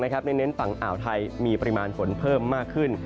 เน้นฝั่งอ่าวไทยมีปริมาณฝนเพิ่มมากขึ้น